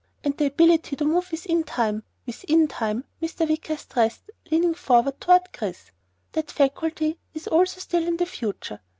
And the ability to move within Time within Time," Mr. Wicker stressed, leaning forward toward Chris, "that faculty is also still in the future.